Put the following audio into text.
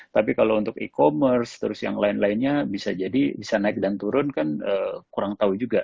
tapi kalau untuk e commerce terus yang lain lainnya bisa jadi bisa naik dan turun kan kurang tahu juga